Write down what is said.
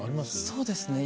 そうですね。